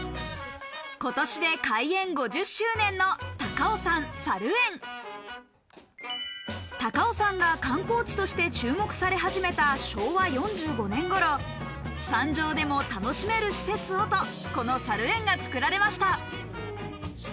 今年で開園５０周年の高尾山が観光地として注目され始めた昭和４５年頃山上でも楽しめる施設をとこのさる園が造られました